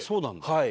はい。